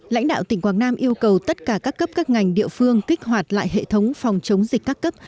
lãnh đạo tỉnh quảng nam yêu cầu tất cả các cấp các ngành địa phương kích hoạt lại hệ thống phòng chống dịch các cấp